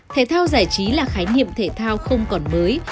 thể thao giải trí là khái niệm thể thao không còn mới